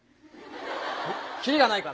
きりがないからね